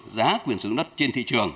giá quyền sử dụng đất trên thị trường